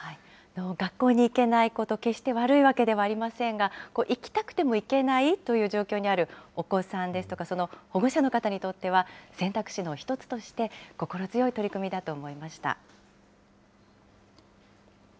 学校に行けないこと、決して悪いわけではありませんが、行きたくても行けないという状況にあるお子さんですとか、その保護者の方にとっては、選択肢の一つとして、心強い取り組みだと思いました。